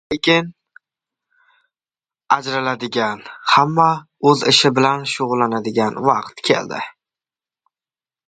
Lekin ajraladigan, hamma oʻz ishi bilan shugʻullanadigan vaqt keldi.